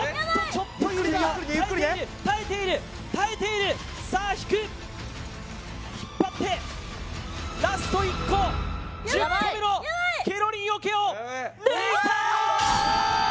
ちょっと揺れた耐えているゆっくりねゆっくりね耐えているさあ引く引っ張ってラスト１個１０個目のケロリン桶を抜いたー！